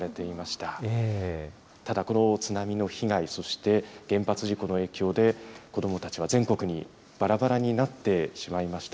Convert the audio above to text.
ただ、この津波の被害、そして原発事故の影響で、子どもたちは全国にばらばらになってしまいました。